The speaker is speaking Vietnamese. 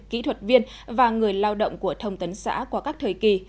kỹ thuật viên và người lao động của thông tấn xã qua các thời kỳ